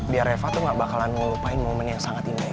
biar reva tuh nggak bakalan ngelupain momen yang sangat indah itu